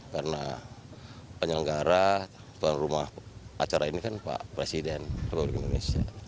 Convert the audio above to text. karena penyelenggara tuan rumah acara ini kan pak presiden republik indonesia